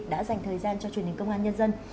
đã dành thời gian cho truyền hình công an nhân dân